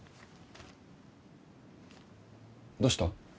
どうした？